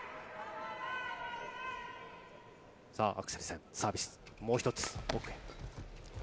アクセルセン、サービスもう一つ。